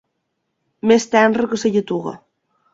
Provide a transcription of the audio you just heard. Més tendre que la lletuga.